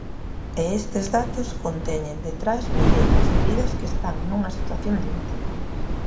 E estes datos conteñen detrás milleiros de vidas que están nunha situación límite.